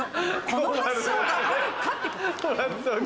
この発想があるかってこと。